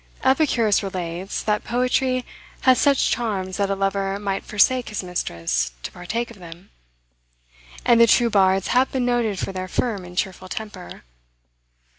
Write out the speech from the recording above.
Epicurus relates, that poetry hath such charms that a lover might forsake his mistress to partake of them. And the true bards have been noted for their firm and cheerful temper.